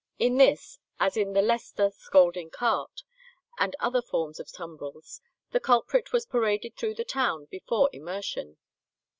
In this, as in the Leicester "scolding cart," and other forms of tumbrels, the culprit was paraded through the town before immersion.